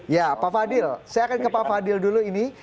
ya pak fadil saya akan ke pak fadil dulu ini